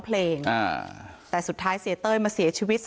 เพลงที่สุดท้ายเสียเต้ยมาเสียชีวิตค่ะ